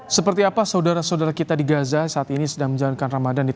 seperti apa saudara saudara kita di gaza saat ini sedang menjalankan ramadan